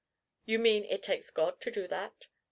"You mean it takes God to do that?"